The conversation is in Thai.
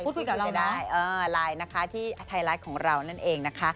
พูดพูดกับเราน่ะเออไลน์นะคะที่ไทรลัสของเรานั่นเองนะคะ